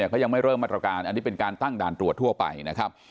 เขายังไม่เริ่มมาตรการอันนี้เป็นการตั้งด่านตรวจทั่วไปนะครับ